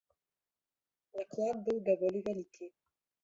Наклад быў даволі вялікі.